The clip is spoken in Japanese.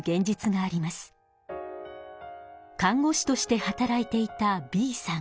看護師として働いていたＢさん。